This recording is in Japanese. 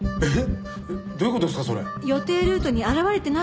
えっ？